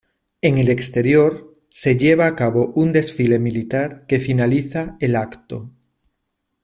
En el exterior, se lleva a cabo un desfile militar que finaliza el acto.